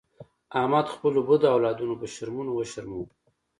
احمد خپلو بدو اولادونو په شرمونو و شرمولو.